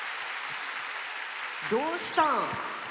どうしたん？